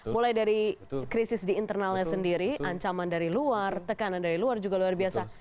mulai dari krisis di internalnya sendiri ancaman dari luar tekanan dari luar juga luar biasa